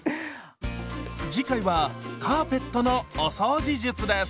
次回はカーペットのお掃除術です。